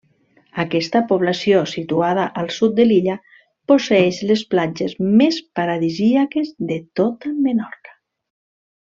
Aquesta població situada al sud de l'illa posseeix les platges més paradisíaques de tota Menorca.